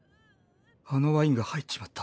あのワインが入っちまった。